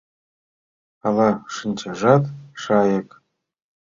Ала шинчажат шайык?